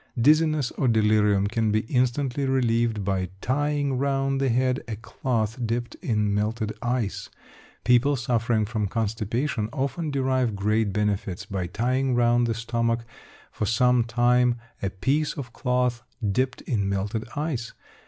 Dizziness or delirium can be instantly relieved by tying round the head a cloth dipped in melted ice. People suffering from constipation often derive great benefit by tying round the stomach for some time a piece of cloth dipped in melted ice.